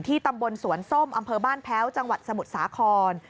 ตำบลสวนส้มอำเภอบ้านแพ้วจังหวัดสมุทรสาคร